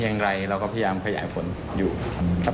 ในข้อข้อหาอยู่แล้วนะครับ